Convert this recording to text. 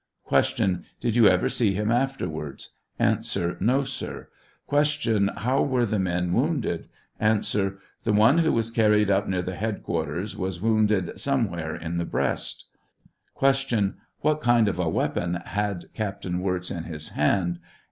Q. Did you ever see him afterwards ? A. No, sir. Q. How were the men wounded ?,,.■ ,i, A. The one who was carried up near the headquarters was wounded somewhere in tee br6flst Q. What kind of a weapon had Captain Wirz in his hand